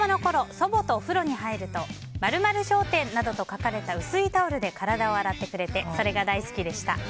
祖母とお風呂に入ると○○商店などと書かれた薄いタオルで体を洗ってくれてそれが大好きでした。